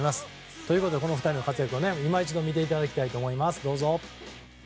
ということで、この２人の活躍を今一度見ていただきます。